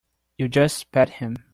You just pat him.